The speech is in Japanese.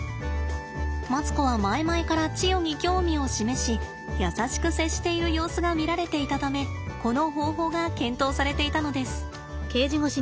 マツコは前々からチヨに興味を示し優しく接している様子が見られていたためこの方法が検討されていたのです。